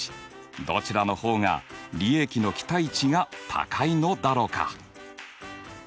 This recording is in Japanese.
どちらの方が利益の期待値が高いのだろうか？